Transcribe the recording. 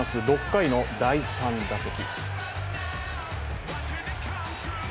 ６回の第３打席。